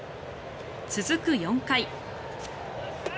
続く４回。